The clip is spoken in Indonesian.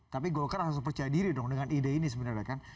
tapi golkar harus percaya diri dong dengan ide ini sebenarnya kan